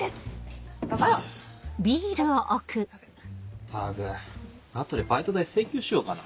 ったく後でバイト代請求しようかな。